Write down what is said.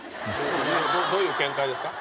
どういう見解ですか？